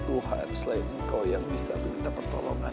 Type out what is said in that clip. daripada kita nungguin adriana